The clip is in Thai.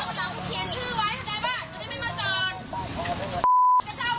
แต่กูอยู่ตรงนี้มึงไม่ว่า